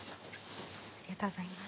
ありがとうございます。